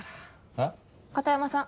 えっ？片山さん。